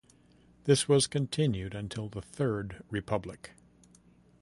This was continued until the Third Republic.